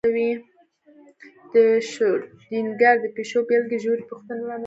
د شرودینګر د پیشو بېلګې ژورې پوښتنې رامنځته کړې.